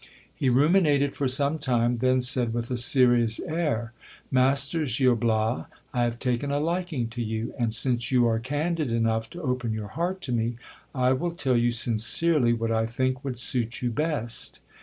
He ruminated for some time ; then said with a serious air : Master Gil Bias, I have taken a liking to you ; and since you are candid enough to open your heart to me, I will tell you sincerely what I think would suit you best.